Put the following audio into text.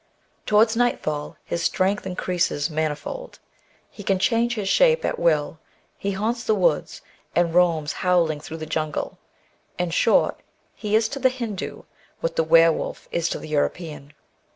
Towards nightfall his strength increases manifold. He can change his shape at will. He haunts the woods, and roams howling through the jungle ; in short, he is to the Hindoo what the were wolf is to the European.